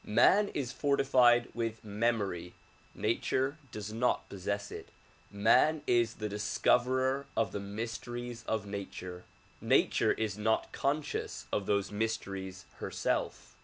IMan is fortified with memory; nature does not possess it. ]\Ian is the discoverer of the mysteries of nature; nature is not conscious of those mysteries herself.